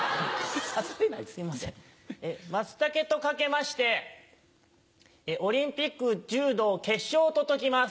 すいません松茸と掛けましてオリンピック柔道決勝と解きます。